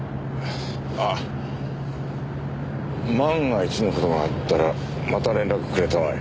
ああ万が一の事があったらまた連絡くれたまえ。